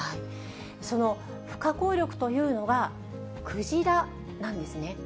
その不可抗力というのは、クジラなんですね。